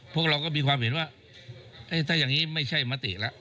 พวกเราก็มีความเห็นว่าถ้าอย่างนี้ไม่ใช่มติแล้ว